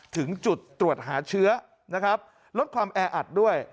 ถึงจุดตรวจหาเชื้อนะครับลดความแออัดด้วย